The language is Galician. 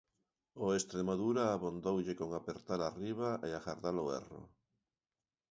Ao Estremadura abondoulle con apertar arriba e agardar o erro.